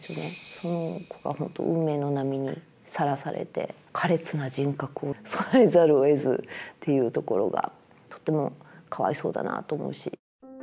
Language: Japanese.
その子が本当運命の波にさらされて苛烈な人格を備えざるをえずっていうところがとてもかわいそうだなと思うし。